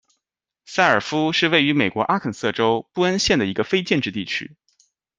塞尔夫是位于美国阿肯色州布恩县的一个非建制地区。